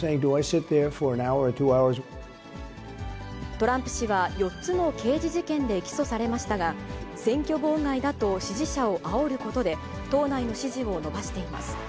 トランプ氏は４つの刑事事件で起訴されましたが、選挙妨害だと支持者をあおることで、党内の支持を伸ばしています。